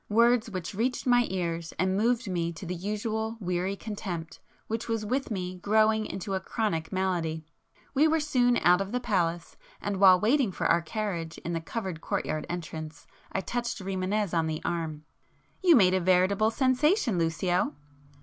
—words which reached my ears and moved me to the usual weary contempt which was with me growing into a chronic malady. We were soon out of the palace, and while waiting for our carriage in the covered court yard entrance, I touched Rimânez on the arm. "You made a veritable sensation Lucio!"